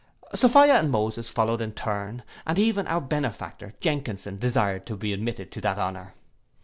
Sophia and Moses followed in turn, and even our benefactor Jenkinson desired to be admitted to that honour.